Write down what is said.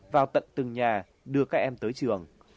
vào tận từng nhà đưa các em tới trường